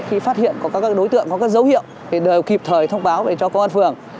khi phát hiện có các đối tượng có các dấu hiệu thì đều kịp thời thông báo về cho công an phường